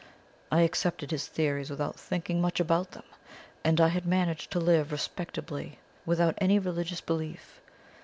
I accepted his theories without thinking much about them, and I had managed to live respectably without any religious belief.